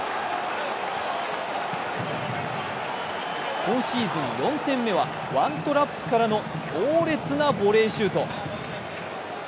今シーズン４点目はワントラップからの強烈なボレーシュート。